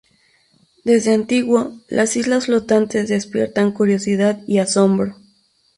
Desde antiguo, las islas flotantes despiertan curiosidad y asombro.